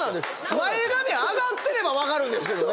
前髪上がってれば分かるんですけどね。